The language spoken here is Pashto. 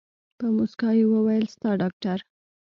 په موسکا يې وويل ستا ډاکتر.